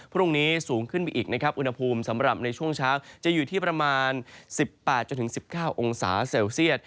พรุ่งนี้สูงขึ้นไปอีกนะครับอุณหภูมิสำหรับในช่วงเช้าจะอยู่ที่ประมาณ๑๘๑๙องศาเซลเซียต